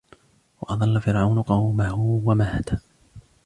وَأَضَلَّ فِرْعَوْنُ قَوْمَهُ وَمَا هَدَى